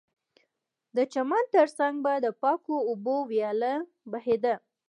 د چمن ترڅنګ به د پاکو اوبو ویاله بهېده